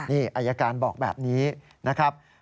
นี่อายการบอกแบบนี้นะครับ